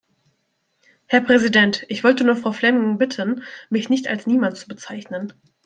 Herr Präsident! Ich wollte nur Frau Flemming bitten, mich nicht als Niemand zu bezeichnen!